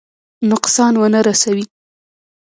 نقصان ونه رسوي.